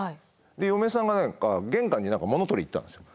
で嫁さんが何か玄関に物を取りに行ったんですよ。